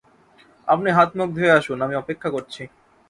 আপনি হাত-মুখ ধুয়ে আসুন, আমি অপেক্ষা করছি।